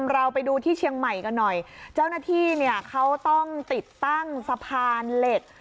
เราไปดูที่เชียงใหม่กันหน่อยเจ้าหน้าที่เนี่ยเขาต้องติดตั้งสะพานเหล็ก